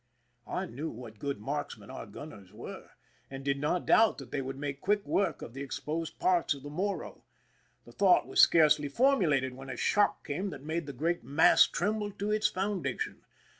I knew what good marksmen our gunners were, and did not doubt that they would make quick work of the exposed parts of the Morro. The thought was scarcely formulated when a shock came that made the great mass tremble to its foun dation.